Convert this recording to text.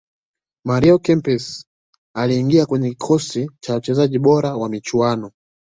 mario kempes aliingia kwenye kikosi cha wachezaji bora wa michuano